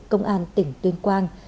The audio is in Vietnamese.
công an tỉnh tuyên quang